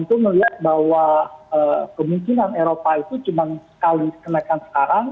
itu melihat bahwa kemungkinan eropa itu cuma sekali kenaikan sekarang